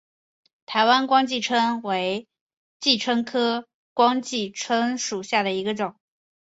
台湾光姬蝽为姬蝽科光姬蝽属下的一个种。